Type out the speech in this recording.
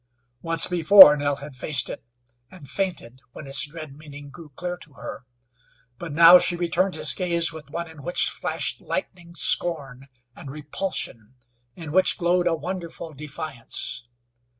Once before Nell had faced it, and fainted when its dread meaning grew clear to her. But now she returned his gaze with one in which flashed lightning scorn, and repulsion, in which glowed a wonderful defiance.